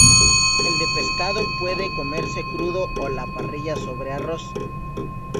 El de pescado puede comerse crudo o a la parrilla sobre arroz.